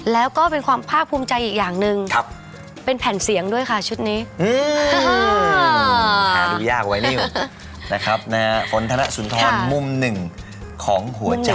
แล้วก็เป็นความภาคภูมิใจอีกอย่างนึง